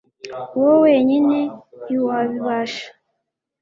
wowe wenyine ntiwabibasha